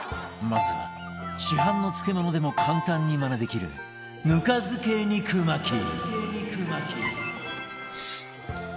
まずは市販の漬物でも簡単にマネできるぬか漬け肉巻き